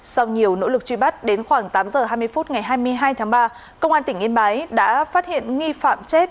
sau nhiều nỗ lực truy bắt đến khoảng tám h hai mươi phút ngày hai mươi hai tháng ba công an tỉnh yên bái đã phát hiện nghi phạm chết